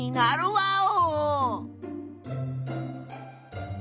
ワ―オ！